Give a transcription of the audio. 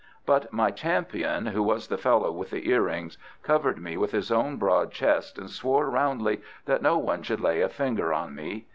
But my champion, who was the fellow with the earrings, covered me with his own broad chest and swore roundly that no one should lay a finger on me.